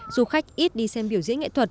du khách ít đi xem biểu diễn nghệ thuật